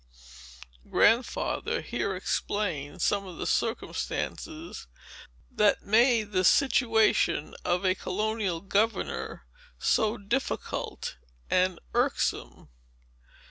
Grandfather here explained some of the circumstances, that made the situation of a colonial governor so difficult and irksome.